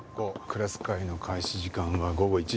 クラス会の開始時間は午後１時。